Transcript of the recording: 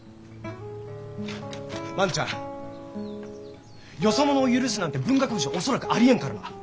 万ちゃんよそ者を許すなんて文学部じゃ恐らくありえんからな。